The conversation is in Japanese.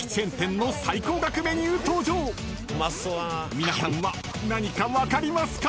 ［皆さんは何か分かりますか？］